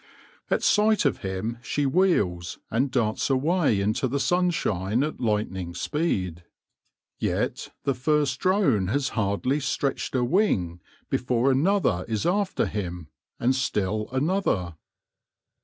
At sight of him she wheels, and darts away into the sunshine at lightning speed. Yet the first drone has hardly stretched a wing before another is after him, and still another.